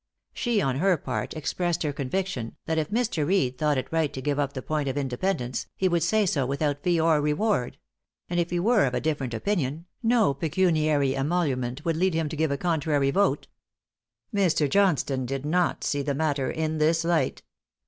She on her part expressed her conviction that if Mr. Reed thought it right to give up the point of Independence, he would say so without fee or reward; and if he were of a different opinion, no pecuniary emolument would lead him to give a contrary vote. Mr. Johnstone did not see the matter in this light.